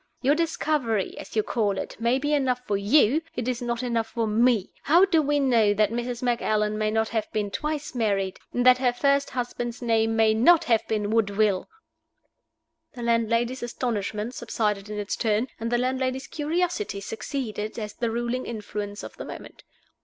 "Your discovery (as you call it) may be enough for you; it is not enough for me. How do we know that Mrs. Macallan may not have been twice married? and that her first husband's name may not have been Woodville?" The landlady's astonishment subsided in its turn, and the landlady's curiosity succeeded as the ruling influence of the moment.